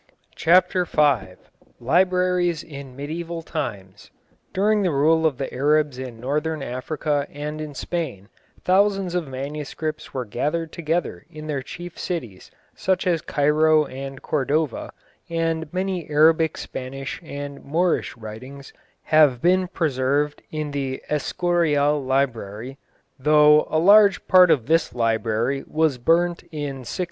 CHAPTER V LIBRARIES IN MEDIÆVAL TIMES During the rule of the Arabs in Northern Africa and in Spain, thousands of manuscripts were gathered together in their chief cities, such as Cairo and Cordova, and many Arabic Spanish and Moorish writings have been preserved in the Escurial Library, though a large part of this library was burnt in 1671.